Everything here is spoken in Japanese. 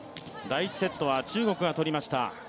第１セットは中国が取りました。